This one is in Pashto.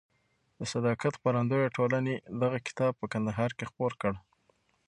د صداقت خپرندویه ټولنې دغه کتاب په کندهار کې خپور کړ.